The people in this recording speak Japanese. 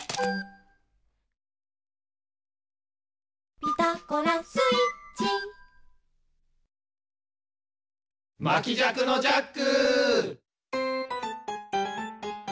「ピタゴラスイッチ」おっまきじゃくのジャック。